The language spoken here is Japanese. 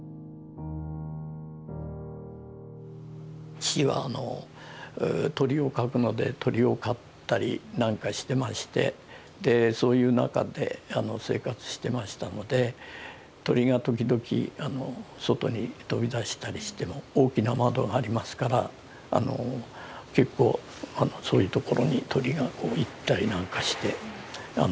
父は鳥を描くので鳥を飼ったりなんかしてましてそういう中で生活してましたので鳥が時々外に飛び出したりしても大きな窓がありますから結構そういうところに鳥が行ったりなんかして。